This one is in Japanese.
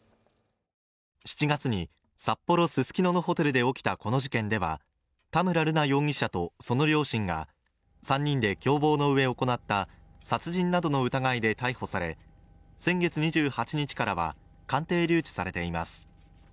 ７月に札幌・ススキノのホテルで起きたこの事件では、田村瑠奈容疑者とその両親が３人で共謀のうえ行った殺人などの疑いで逮捕され先月２８日からは鑑定留置されています。